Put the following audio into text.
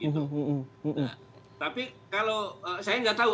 nah tapi kalau saya nggak tahu